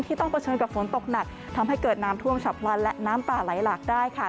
ต้องเผชิญกับฝนตกหนักทำให้เกิดน้ำท่วมฉับพลันและน้ำป่าไหลหลากได้ค่ะ